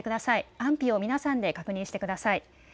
安否を皆さんで確認してください。